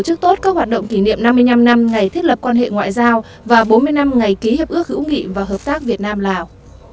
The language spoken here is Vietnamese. chủ tịch quốc hội nguyễn thị kim ngân đã tiếp thủ tướng lào thong lung xisulit